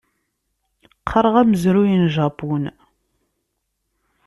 Qqareɣ amezruy n Japun.